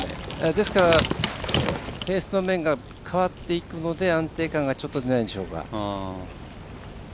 ですから、フェースの面が変わっていくので安定感がちょっとないんでしょうか。